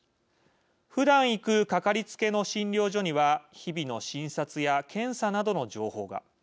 ふだん行くかかりつけの診療所には日々の診察や検査などの情報が。